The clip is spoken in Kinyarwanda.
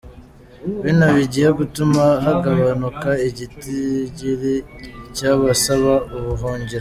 Bino bigiye gutuma hagabanuka igitigiri c'abasaba ubuhungiro.